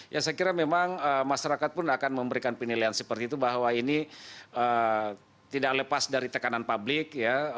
ya saya kira memang masyarakat pun akan memberikan penilaian seperti itu bahwa ini tidak lepas dari tekanan publik ya